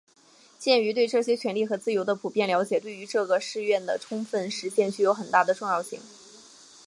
鉴于对这些权利和自由的普遍了解对于这个誓愿的充分实现具有很大的重要性